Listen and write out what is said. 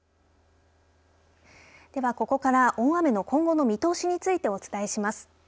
では、ここから大雨の今後の見通しについてお伝えします。